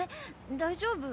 大丈夫？